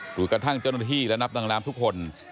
หรือกระทั่งเจ้าหน้าที่และนับนางน้ำทุกคน